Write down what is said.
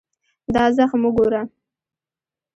دا زخم وګوره.